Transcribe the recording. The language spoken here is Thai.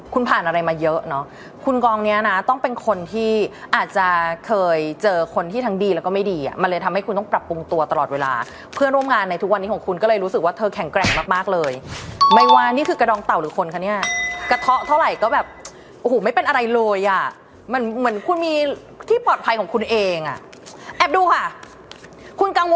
คุณผ่านอะไรมาเยอะเนอะคุณกองเนี้ยนะต้องเป็นคนที่อาจจะเคยเจอคนที่ทั้งดีแล้วก็ไม่ดีอ่ะมันเลยทำให้คุณต้องปรับปรุงตัวตลอดเวลาเพื่อนร่วมงานในทุกวันนี้ของคุณก็เลยรู้สึกว่าเธอแข็งแกร่งมากมากเลยไม่ว่านี่คือกระดองเต่าหรือคนคะเนี่ยกระเทาะเท่าไหร่ก็แบบโอ้โหไม่เป็นอะไรเลยอ่ะมันเหมือนคุณมีที่ปลอดภัยของคุณเองอ่ะแอบดูค่ะ